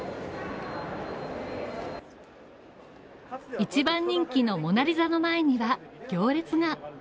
一番人気のモナリザの前には行列が。